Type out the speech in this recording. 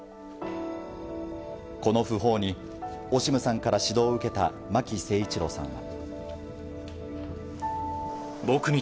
この訃報にオシムさんから指導を受けた巻誠一郎さんは。